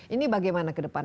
ini bagaimana ke depan